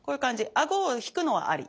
顎を引くのはあり。